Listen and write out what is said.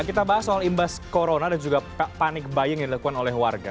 kita bahas soal imbas corona dan juga panik baying yang dilakukan oleh warga